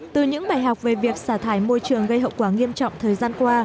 từ những bài học về việc xả thải môi trường gây hậu quả nghiêm trọng thời gian qua